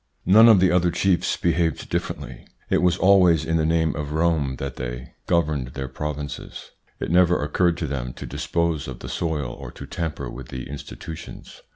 None of the other chiefs behaved differ ently. It was always in the name of Rome that they 158 THE PSYCHOLOGY OF PEOPLES: governed their provinces. It never occurred to them to dispose of the soil or to tamper with the institutions.